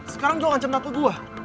sekarang lo ngancam tante gue